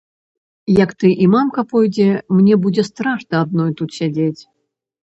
Як ты і мамка пойдзеце, мне будзе страшна адной тут сядзець.